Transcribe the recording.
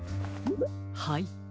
はい。